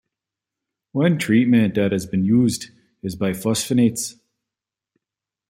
One treatment that has been used is bisphosphonates.